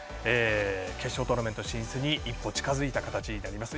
決勝トーナメント進出に一歩近づいた形になりました。